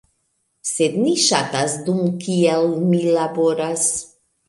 sed ni ŝatas, dum kiel mi laboras